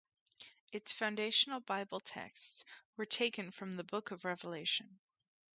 Its foundational Bible texts were taken from the Book of Revelation.